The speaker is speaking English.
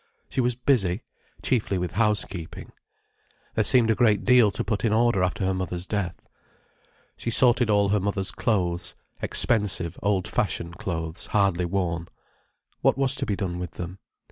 She was busy—chiefly with housekeeping. There seemed a great deal to put in order after her mother's death. She sorted all her mother's clothes—expensive, old fashioned clothes, hardly worn. What was to be done with them?